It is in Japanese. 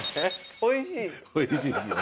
おいしいですよね。